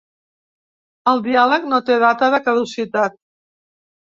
El diàleg no té data de caducitat.